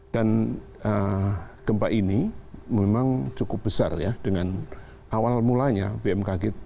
dan gempa ini memang cukup besar ya dengan awal mulanya bmkg